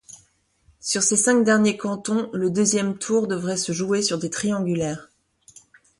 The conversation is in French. Sur ces cinq derniers cantons, le deuxième tour devrait se jouer sur des triangulaires.